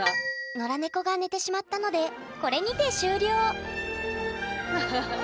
ノラ猫が寝てしまったのでこれにて終了あすごい。